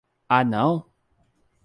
Ah não?